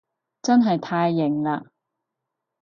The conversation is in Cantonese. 真係太型喇